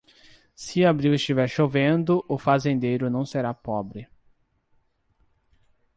Se abril estiver chovendo, o fazendeiro não será pobre.